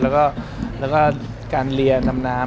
แล้วก็การเรียนดำน้ำ